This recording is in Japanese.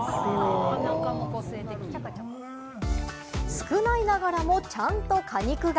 少ないながらも、ちゃんと果肉が。